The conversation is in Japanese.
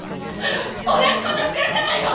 同じことしてるじゃないの！